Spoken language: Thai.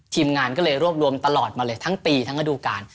ทีมงานก็เลยรวบรวมตลอดมาเลยทั้งปีทั้งระดูการ